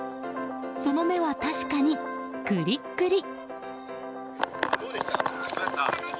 その目は確かに、くりっくり。